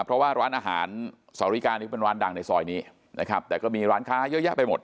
เพราะว่าร้านอาหารสอริกานี้เป็นร้านดังในซอยนี้นะครับแต่ก็มีร้านค้าเยอะแยะไปหมด